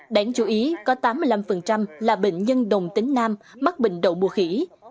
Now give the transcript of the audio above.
đáng chú ý có tám mươi năm là bệnh nhân đồng tính nam mắc bệnh đậu mùa khỉ